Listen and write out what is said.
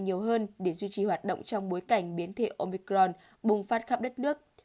các trường học bị nhiều hơn để duy trì hoạt động trong bối cảnh biến thể omicron bùng phát khắp đất nước